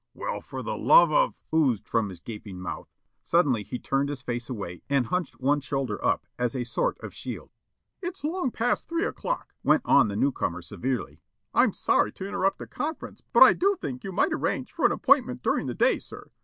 "Well, for the love of " oozed from his gaping mouth. Suddenly he turned his face away and hunched one shoulder up as a sort of shield. "It's long past three o'clock," went on the newcomer severely. "I'm sorry to interrupt a conference but I do think you might arrange for an appointment during the day, sir.